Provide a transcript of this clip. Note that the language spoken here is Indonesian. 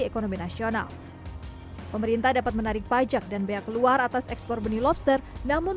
ekonomi nasional pemerintah dapat menarik pajak dan bea keluar atas ekspor benih lobster namun